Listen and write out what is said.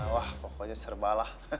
wah pokoknya serba lah